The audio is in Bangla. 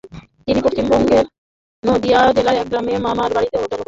তিনি পশ্চিমবঙ্গের নদীয়া জেলার এক গ্রামে মামার বাড়িতে জন্মগ্রহণ করেন।